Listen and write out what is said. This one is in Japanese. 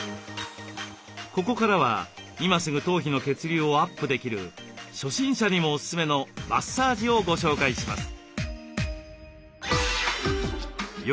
ここからは今すぐ頭皮の血流をアップできる初心者にもおすすめのマッサージをご紹介します。